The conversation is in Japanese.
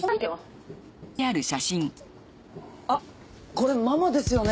あっこれママですよね